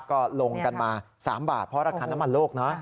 ก็ลงกันมา๓บาทเพราะราคาน้ำมันโลกนะ